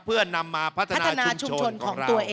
เพื่อนำมาพัฒนาชุมชนของตัวเอง